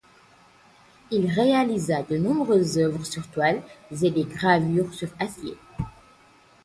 Il réalisa de nombreuses œuvres sur toiles et des gravures sur acier.